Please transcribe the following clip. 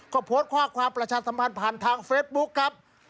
ก็โพสต์ข้อความประชาสัมพันธ์ผ่านทางเฟซบุ๊คครับ